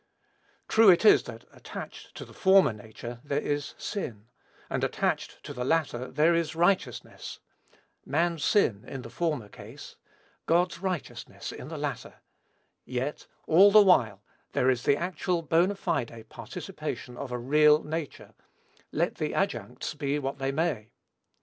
True it is that, attached to the former nature, there is sin; and attached to the latter, there is righteousness, man's sin, in the former case; God's righteousness in the latter: yet, all the while, there is the actual, boná fide participation of a real nature, let the adjuncts be what they may.